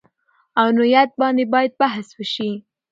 او نوعیت باندې باید بحث وشي